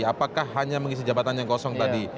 apakah hanya mengisi jabatan yang kosong tadi